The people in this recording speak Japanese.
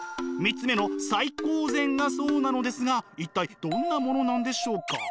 ３つ目の最高善がそうなのですが一体どんなものなのでしょうか。